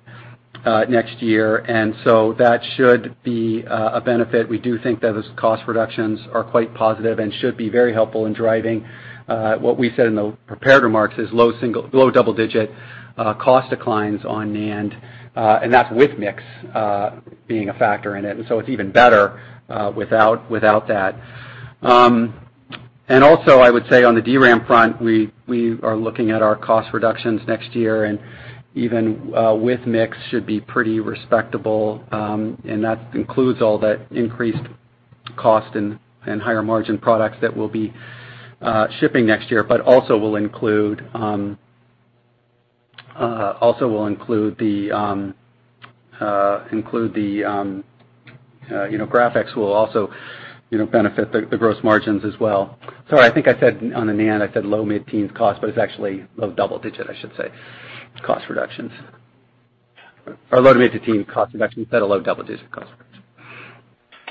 next year, and so that should be a benefit. We do think that those cost reductions are quite positive and should be very helpful in driving what we said in the prepared remarks as low double-digit cost declines on NAND. That's with mix being a factor in it, and so it's even better without that. Also, I would say on the DRAM front, we are looking at our cost reductions next year, and even with mix, should be pretty respectable. That includes all that increased cost and higher margin products that we'll be shipping next year, but also will include the graphics will also benefit the gross margins as well. Sorry, I think I said on the NAND, I said low mid-teens cost, but it's actually low double digit, I should say, cost reductions. Low mid to teen cost reductions instead of low double-digit cost reductions.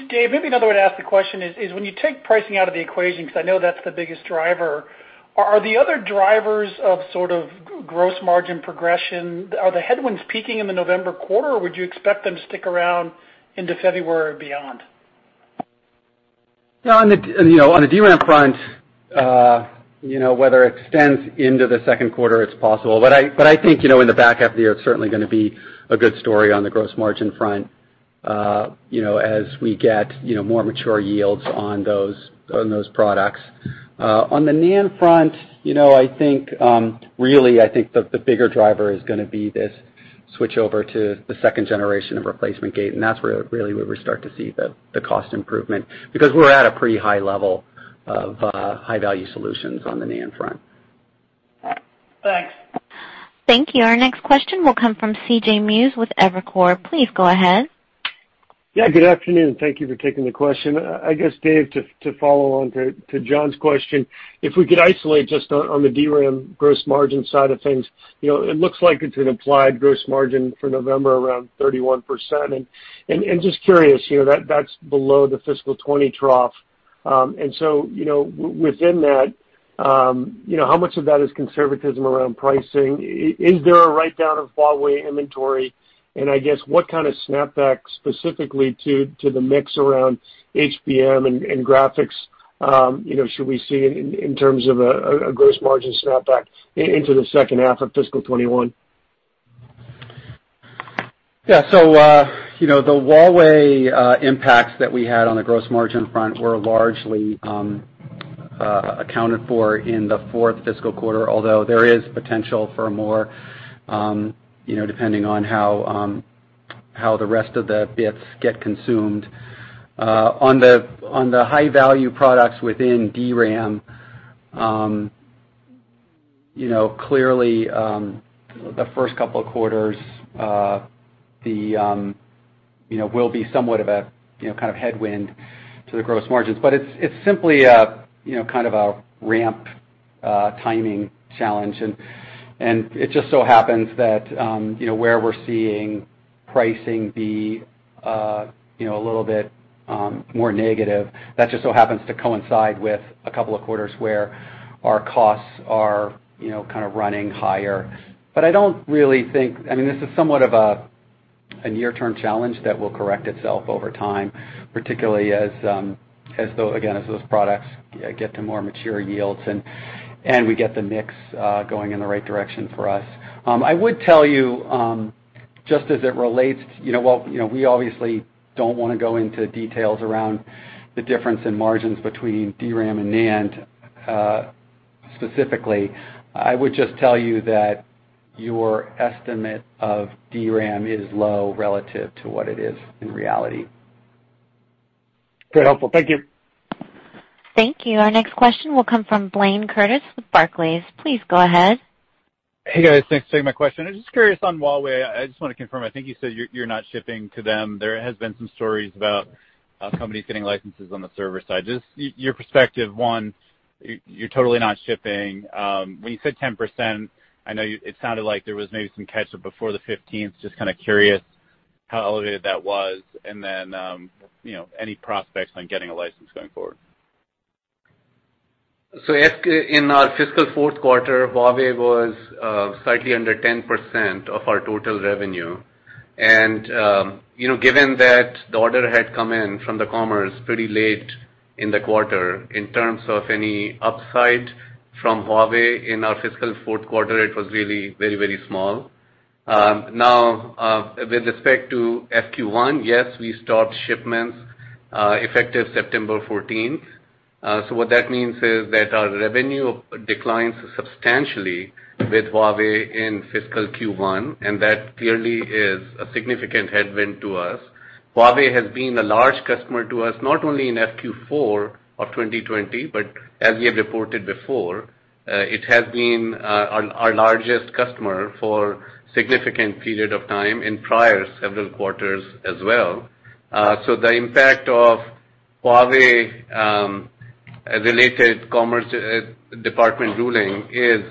David, maybe another way to ask the question is, when you take pricing out of the equation, because I know that's the biggest driver, are the other drivers of sort of gross margin progression, are the headwinds peaking in the November quarter, or would you expect them to stick around into February or beyond? On the DRAM front, whether it extends into the second quarter, it's possible. I think, in the back half of the year, it's certainly going to be a good story on the gross margin front as we get more mature yields on those products. On the NAND front, really, I think the bigger driver is going to be this switch over to the second generation of replacement gate, and that's really where we start to see the cost improvement, because we're at a pretty high level of high-value solutions on the NAND front. Thanks. Thank you. Our next question will come from C.J. Muse with Evercore ISI. Please go ahead. Good afternoon. Thank you for taking the question. I guess, David, to follow on to John's question, if we could isolate just on the DRAM gross margin side of things, it looks like it's an implied gross margin for November around 31%. Just curious, that's below the fiscal 2020 trough. Within that, how much of that is conservatism around pricing? Is there a write-down of Huawei inventory? I guess what kind of snap back, specifically to the mix around HBM and graphics, should we see in terms of a gross margin snap back into the second half of fiscal 2021? Yeah. The Huawei impacts that we had on the gross margin front were largely accounted for in the fourth fiscal quarter, although there is potential for more, depending on how the rest of the bits get consumed. On the high-value products within DRAM, clearly, the first couple of quarters will be somewhat of a kind of headwind to the gross margins. It's simply a kind of a ramp timing challenge. It just so happens that where we're seeing pricing be a little bit more negative, that just so happens to coincide with a couple of quarters where our costs are kind of running higher. This is somewhat of a near-term challenge that will correct itself over time, particularly as, again, as those products get to more mature yields and we get the mix going in the right direction for us. I would tell you, just as it relates, well, we obviously don't want to go into details around the difference in margins between DRAM and NAND, specifically. I would just tell you that your estimate of DRAM is low relative to what it is in reality. Very helpful. Thank you. Thank you. Our next question will come from Blayne Curtis with Barclays. Please go ahead. Hey, guys. Thanks for taking my question. I'm just curious on Huawei, I just want to confirm, I think you said you're not shipping to them. There has been some stories about companies getting licenses on the server side. Just your perspective, one, you're totally not shipping. When you said 10%, I know it sounded like there was maybe some catch-up before the 15, just kind of curious how elevated that was, and then, any prospects on getting a license going forward. In our fiscal fourth quarter, Huawei was slightly under 10% of our total revenue. Given that the order had come in from the Commerce pretty late in the quarter, in terms of any upside from Huawei in our fiscal fourth quarter, it was really very small. With respect to FQ1, yes, we stopped shipments, effective September 14. What that means is that our revenue declines substantially with Huawei in fiscal Q1, and that clearly is a significant headwind to us. Huawei has been a large customer to us, not only in FQ4 of 2020, but as we have reported before, it has been our largest customer for significant period of time in prior several quarters as well. The impact of Huawei related Commerce Department ruling is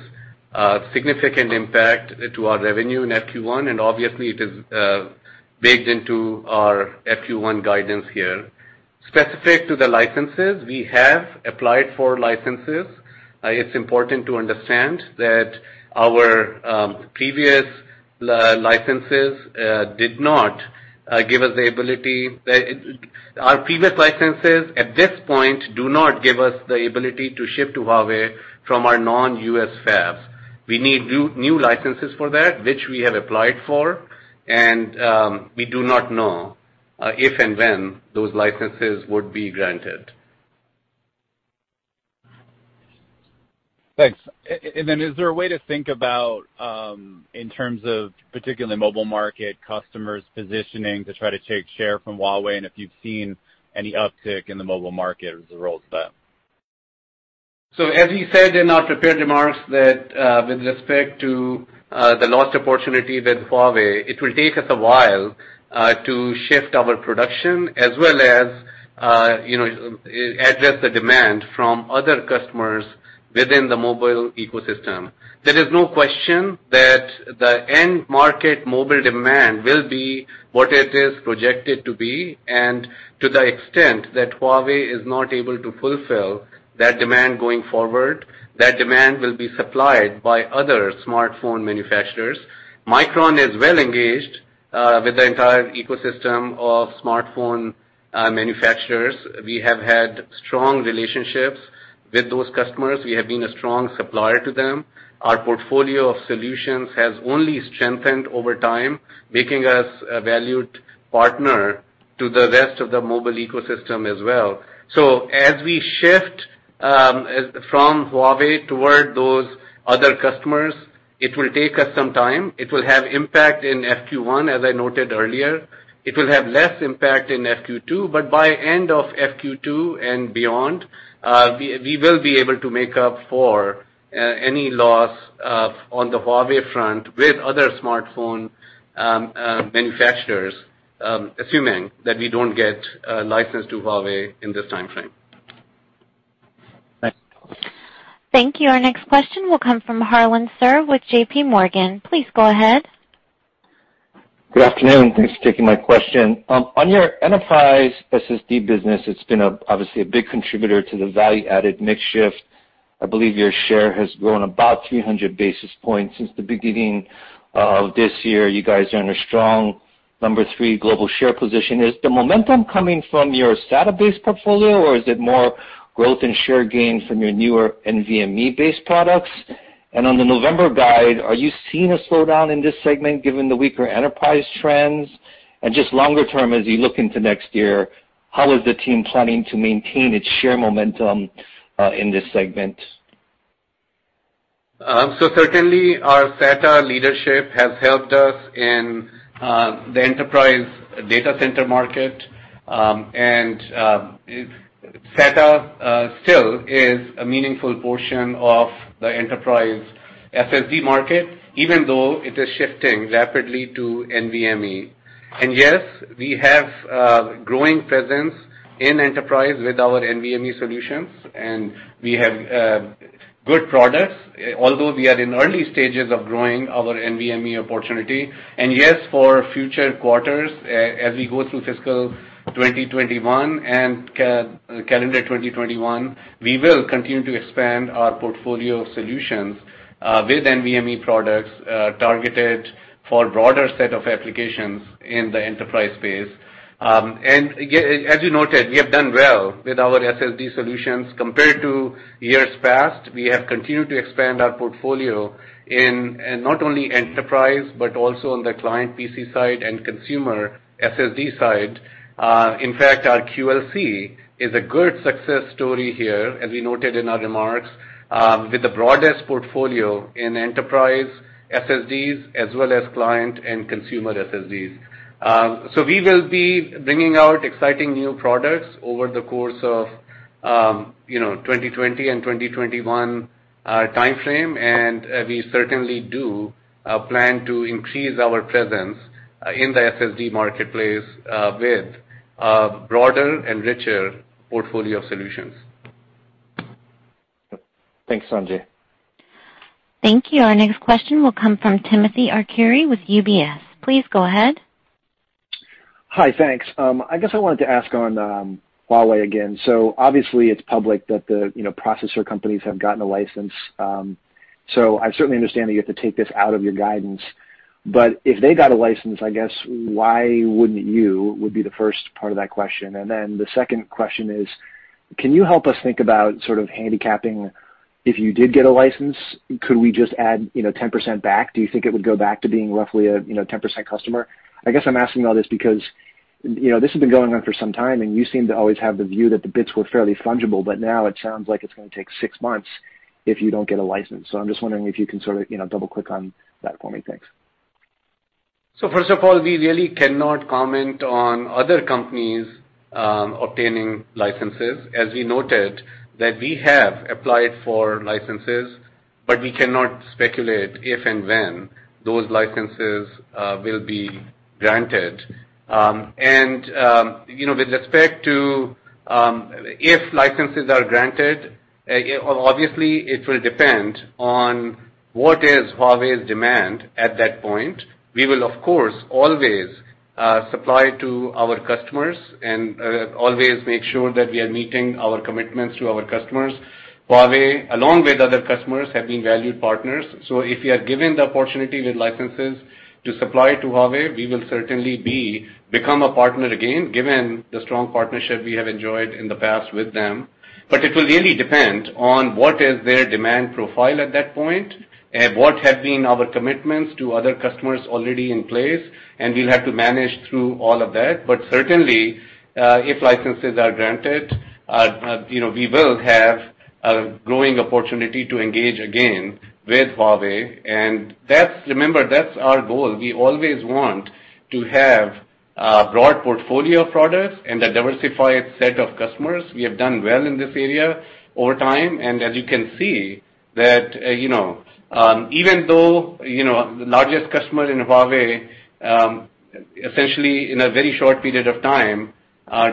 a significant impact to our revenue in FQ1, and obviously, it is baked into our FQ1 guidance here. Specific to the licenses, we have applied for licenses. It's important to understand that our previous licenses at this point do not give us the ability to ship to Huawei from our non-U.S. fabs. We need new licenses for that, which we have applied for, and we do not know if and when those licenses would be granted. Thanks. Is there a way to think about, in terms of particularly mobile market, customers positioning to try to take share from Huawei, and if you've seen any uptick in the mobile market as a result of that? As we said in our prepared remarks that with respect to the lost opportunity with Huawei, it will take us a while to shift our production as well as address the demand from other customers within the mobile ecosystem. There is no question that the end market mobile demand will be what it is projected to be, and to the extent that Huawei is not able to fulfill that demand going forward, that demand will be supplied by other smartphone manufacturers. Micron is well-engaged with the entire ecosystem of smartphone manufacturers. We have had strong relationships with those customers. We have been a strong supplier to them. Our portfolio of solutions has only strengthened over time, making us a valued partner to the rest of the mobile ecosystem as well. As we shift from Huawei toward those other customers, it will take us some time. It will have impact in FQ1, as I noted earlier. It will have less impact in FQ2, but by end of FQ2 and beyond, we will be able to make up for any loss on the Huawei front with other smartphone manufacturers, assuming that we don't get a license to Huawei in this timeframe. Thanks. Thank you. Our next question will come from Harlan Sur with JPMorgan. Please go ahead. Good afternoon. Thanks for taking my question. On your enterprise SSD business, it's been obviously a big contributor to the value-added mix shift. I believe your share has grown about 300 basis points since the beginning of this year. You guys are in a strong number three global share position. Is the momentum coming from your SATA-based portfolio, or is it more growth in share gain from your newer NVMe-based products? On the November guide, are you seeing a slowdown in this segment given the weaker enterprise trends? Just longer term, as you look into next year, how is the team planning to maintain its share momentum in this segment? Certainly, our SATA leadership has helped us in the enterprise data center market, and SATA still is a meaningful portion of the enterprise SSD market, even though it is shifting rapidly to NVMe. Yes, we have a growing presence in enterprise with our NVMe solutions, and we have good products, although we are in early stages of growing our NVMe opportunity. Yes, for future quarters, as we go through fiscal 2021 and calendar 2021, we will continue to expand our portfolio of solutions with NVMe products targeted for a broader set of applications in the enterprise space. As you noted, we have done well with our SSD solutions compared to years past. We have continued to expand our portfolio in not only enterprise, but also on the client PC side and consumer SSD side. In fact, our QLC is a good success story here, as we noted in our remarks, with the broadest portfolio in enterprise SSDs, as well as client and consumer SSDs. We will be bringing out exciting new products over the course of 2020 and 2021 timeframe, and we certainly do plan to increase our presence in the SSD marketplace with a broader and richer portfolio of solutions. Thanks, Sanjay. Thank you. Our next question will come from Timothy Arcuri with UBS. Please go ahead. Hi, thanks. I guess I wanted to ask on Huawei again. Obviously, it's public that the processor companies have gotten a license. If they got a license, I guess why wouldn't you, would be the first part of that question. Then the second question is, can you help us think about sort of handicapping if you did get a license, could we just add 10% back? Do you think it would go back to being roughly a 10% customer? I guess I'm asking all this because this has been going on for some time, and you seem to always have the view that the bits were fairly fungible, but now it sounds like it's going to take six months if you don't get a license. I'm just wondering if you can sort of double-click on that for me. Thanks. First of all, we really cannot comment on other companies obtaining licenses. As we noted that we have applied for licenses, but we cannot speculate if and when those licenses will be granted. With respect to if licenses are granted, obviously, it will depend on what is Huawei's demand at that point. We will, of course, always supply to our customers and always make sure that we are meeting our commitments to our customers. Huawei, along with other customers, have been a valued partners. If we are given the opportunity with licenses to supply to Huawei, we will certainly become a partner again, given the strong partnership we have enjoyed in the past with them. It will really depend on what is their demand profile at that point, what have been our commitments to other customers already in place, and we'll have to manage through all of that. Certainly, if licenses are granted, we will have a growing opportunity to engage again with Huawei. Remember, that's our goal. We always want to have a broad portfolio of products and a diversified set of customers. We have done well in this area over time, and as you can see, even though the largest customer in Huawei, essentially in a very short period of time,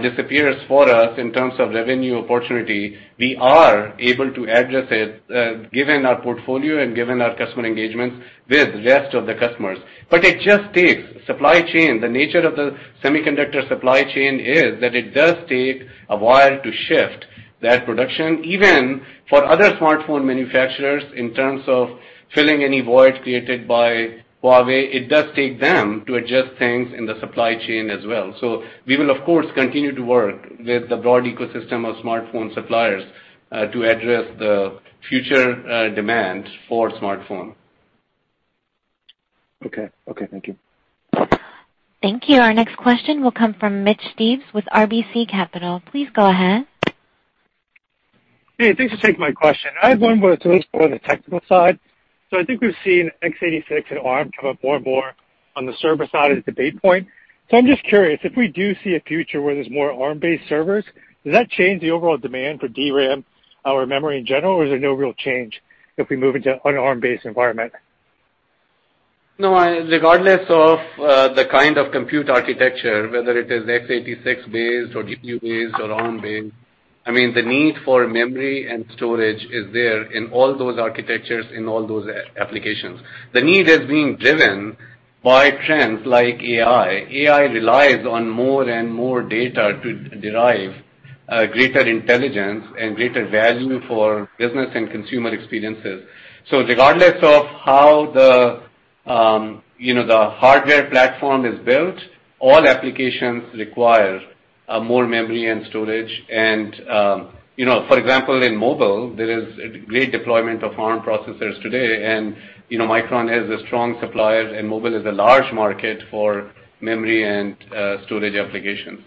disappears for us in terms of revenue opportunity, we are able to address it, given our portfolio and given our customer engagements with the rest of the customers. It just takes supply chain. The nature of the semiconductor supply chain is that it does take a while to shift that production, even for other smartphone manufacturers, in terms of filling any void created by Huawei. It does take them to adjust things in the supply chain as well. We will, of course, continue to work with the broad ecosystem of smartphone suppliers, to address the future demand for smartphone. Okay. Thank you. Thank you. Our next question will come from Mitch Steves with RBC Capital. Please go ahead. Hey, thanks for taking my question. I have one more that's a little more on the technical side. I think we've seen X86 and ARM come up more and more on the server side at the bait point. I'm just curious, if we do see a future where there's more ARM-based servers, does that change the overall demand for DRAM or memory in general, or is there no real change if we move into an ARM-based environment? No, regardless of the kind of compute architecture, whether it is X86-based or GPU-based or ARM-based, the need for memory and storage is there in all those architectures, in all those applications. The need is being driven by trends like AI. AI relies on more and data to derive greater intelligence and greater value for business and consumer experiences. Regardless of how the hardware platform is built, all applications require more memory and storage and, for example, in mobile, there is great deployment of ARM processors today. Micron has a strong supplier, and mobile is a large market for memory and storage applications.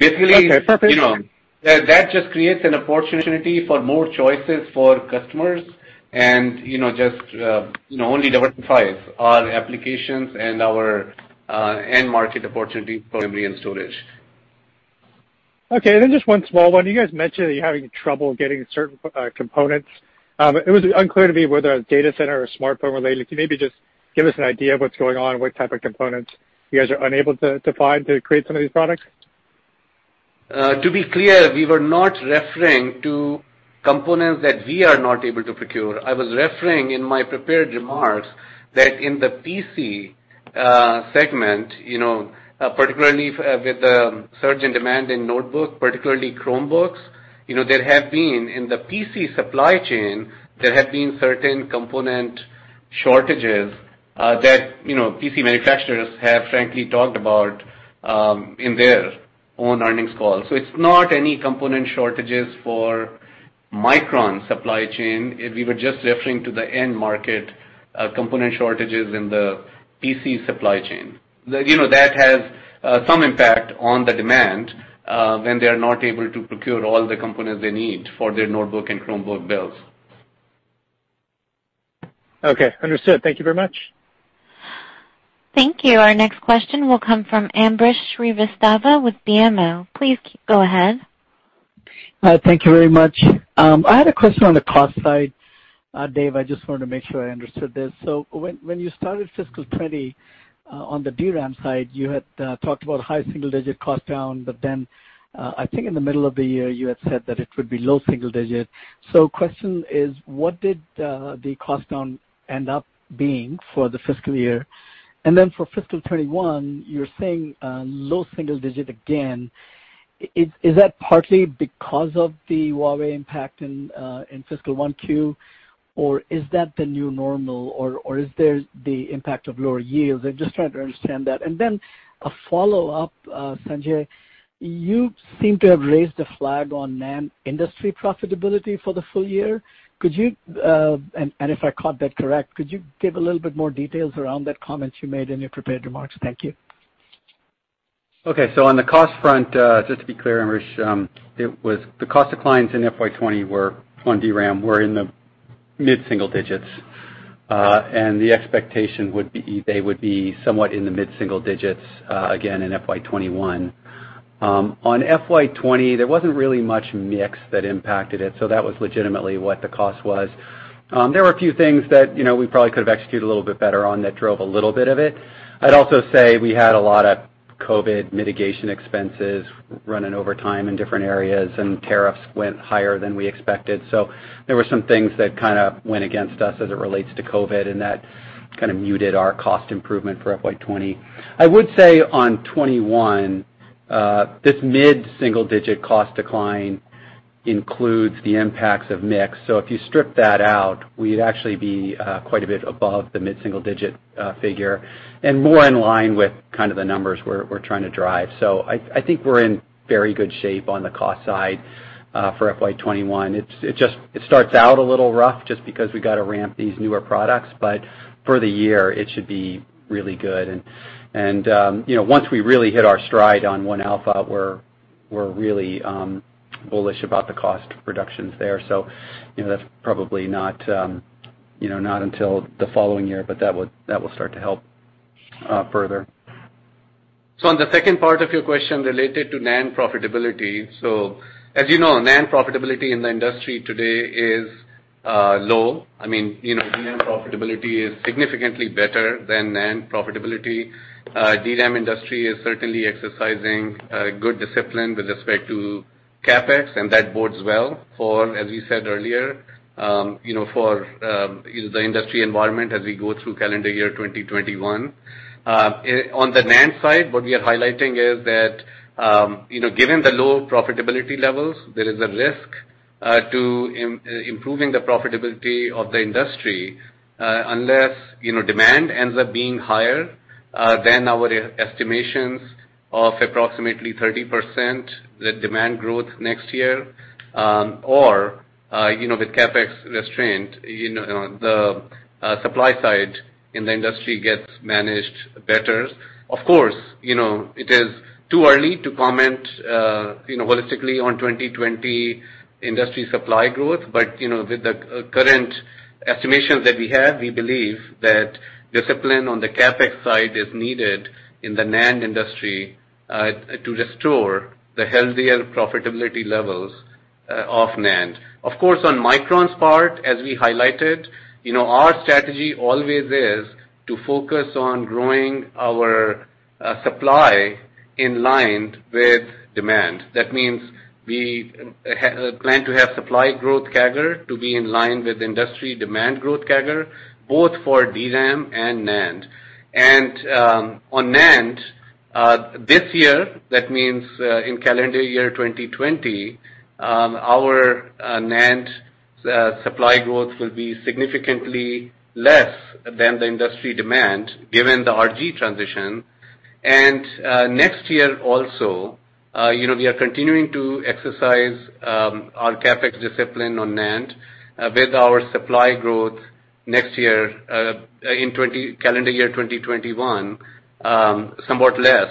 Okay, perfect. that just creates an opportunity for more choices for customers and just only diversifies our applications and our end market opportunity for memory and storage. Okay, just one small one. You guys mentioned that you're having trouble getting certain components. It was unclear to me whether that was data center or smartphone related. Can you maybe just give us an idea of what's going on, what type of components you guys are unable to find to create some of these products? To be clear, we were not referring to components that we are not able to procure. I was referring in my prepared remarks that in the PC segment, particularly with the surge in demand in notebooks, particularly Chromebooks, in the PC supply chain, there have been certain component shortages that PC manufacturers have frankly talked about in their own earnings calls. It's not any component shortages for Micron supply chain. We were just referring to the end market component shortages in the PC supply chain. That has some impact on the demand, when they're not able to procure all the components they need for their notebook and Chromebook builds. Okay, understood. Thank you very much. Thank you. Our next question will come from Ambrish Srivastava with BMO. Please go ahead. Hi, thank you very much. I had a question on the cost side. David, I just wanted to make sure I understood this. When you started fiscal 2020, on the DRAM side, you had talked about high single-digit cost down, but then I think in the middle of the year, you had said that it would be low single-digit. Question is, what did the cost down end up being for the fiscal year? For fiscal 2021, you're saying low single-digit again. Is that partly because of the Huawei impact in fiscal first quarter, or is that the new normal, or is there the impact of lower yields? I'm just trying to understand that. A follow-up, Sanjay, you seem to have raised a flag on NAND industry profitability for the full year. If I caught that correct, could you give a little bit more details around that comment you made in your prepared remarks? Thank you. On the cost front, just to be clear, Ambrish, the cost declines in FY 2020 on DRAM were in the mid-single digits. The expectation would be they would be somewhat in the mid-single digits again in FY 2021. On FY 2020, there wasn't really much mix that impacted it, that was legitimately what the cost was. There were a few things that we probably could have executed a little bit better on that drove a little bit of it. I'd also say we had a lot of COVID mitigation expenses running over time in different areas, tariffs went higher than we expected. There were some things that kind of went against us as it relates to COVID, that kind of muted our cost improvement for FY 2020. I would say on 2021, this mid-single-digit cost decline includes the impacts of mix. If you strip that out, we'd actually be quite a bit above the mid-single-digit figure and more in line with the numbers we're trying to drive. I think we're in very good shape on the cost side for FY 2021. It starts out a little rough just because we got to ramp these newer products. For the year, it should be really good. Once we really hit our stride on 1-alpha, we're really bullish about the cost reductions there. Not until the following year, but that will start to help further. On the second part of your question related to NAND profitability, as you know, NAND profitability in the industry today is low. DRAM profitability is significantly better than NAND profitability. DRAM industry is certainly exercising good discipline with respect to CapEx, and that bodes well for, as we said earlier, for the industry environment as we go through calendar year 2021. On the NAND side, what we are highlighting is that, given the low profitability levels, there is a risk to improving the profitability of the industry, unless demand ends up being higher than our estimations of approximately 30%, the demand growth next year, or, with CapEx restraint, the supply side in the industry gets managed better. Of course, it is too early to comment holistically on 2020 industry supply growth. With the current estimations that we have, we believe that discipline on the CapEx side is needed in the NAND industry to restore the healthier profitability levels of NAND. Of course, on Micron's part, as we highlighted, our strategy always is to focus on growing our supply in line with demand. That means we plan to have supply growth CAGR to be in line with industry demand growth CAGR, both for DRAM and NAND. On NAND, this year, that means in calendar year 2020, our NAND supply growth will be significantly less than the industry demand, given the RG transition. Next year also, we are continuing to exercise our CapEx discipline on NAND with our supply growth next year, in calendar year 2021, somewhat less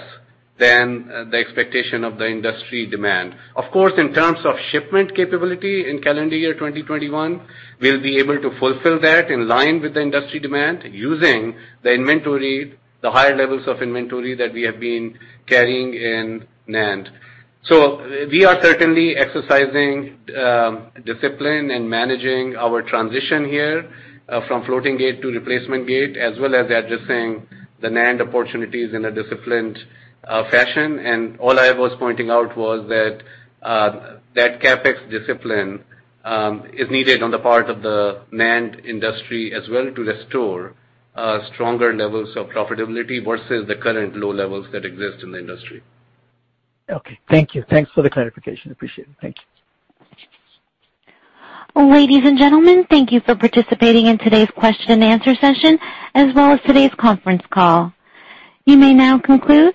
than the expectation of the industry demand. Of course, in terms of shipment capability in calendar year 2021, we'll be able to fulfill that in line with the industry demand using the higher levels of inventory that we have been carrying in NAND. We are certainly exercising discipline and managing our transition here from floating gate to replacement gate, as well as addressing the NAND opportunities in a disciplined fashion. All I was pointing out was that CapEx discipline is needed on the part of the NAND industry as well to restore stronger levels of profitability versus the current low levels that exist in the industry. Okay. Thank you. Thanks for the clarification. Appreciate it. Thank you. Ladies and gentlemen, thank you for participating in today's question and answer session, as well as today's conference call. You may now conclude.